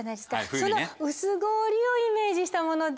その薄氷をイメージしたもので。